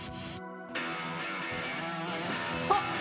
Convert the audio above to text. あっ。